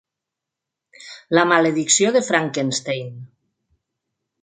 La maledicció de Frankenstein.